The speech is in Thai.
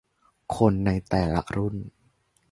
คนในแต่ละรุ่น